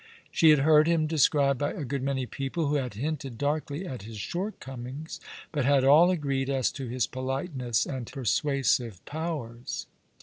She had heard him described by a good many people, who had hinted darkly at his shortcomings, but had all agreed as to his politeness and persuasive powers.